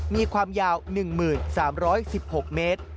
มีความยาว๑๓๑๖เมตร